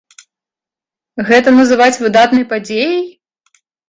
Гэта называць выдатнай падзеяй?